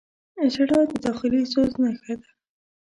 • ژړا د داخلي سوز نښه ده.